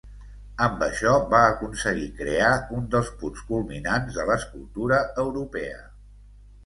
Amb això, va aconseguir crear un dels punts culminants de l'escultura europea.